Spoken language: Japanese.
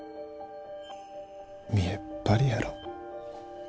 見えっ張りやろ。